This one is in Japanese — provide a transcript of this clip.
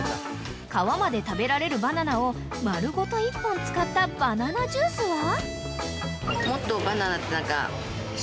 ［皮まで食べられるバナナを丸ごと１本使ったバナナジュースは？］